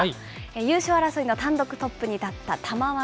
優勝争いの単独トップに立った玉鷲。